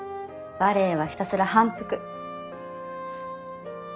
バレエはひたすら反復。